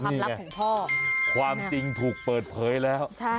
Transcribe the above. นี้ไงความจริงทุกข์เปิดเปรยแล้ว